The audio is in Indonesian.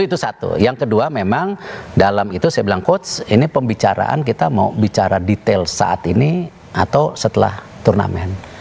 itu satu yang kedua memang dalam itu saya bilang coach ini pembicaraan kita mau bicara detail saat ini atau setelah turnamen